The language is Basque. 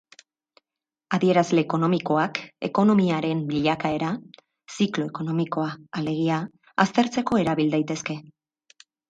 Adierazle ekonomikoak ekonomiaren bilakaera, ziklo ekonomikoa alegia, aztertzeko erabil daitezke.